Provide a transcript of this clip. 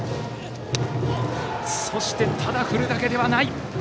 そしてただ振るだけではない。